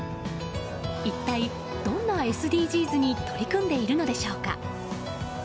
一体どんなＳＤＧｓに取り組んでいるのでしょうか。